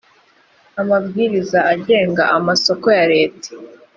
amabwiriza agenga amasoko ya leta